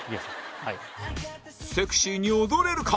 セクシーに踊れるか？